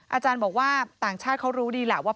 อาจารย์บอกว่าต่างชาติเขารู้ดีแหละว่า